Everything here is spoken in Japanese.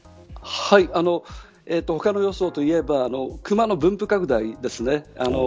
他の要素といえばクマの分布拡大です。